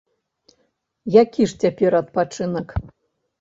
Які ж цяпер адпачынак?